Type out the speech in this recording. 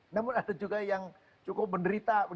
namun ada juga yang cukup menderita